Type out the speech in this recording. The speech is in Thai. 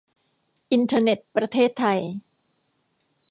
อินเทอร์เน็ตประเทศไทย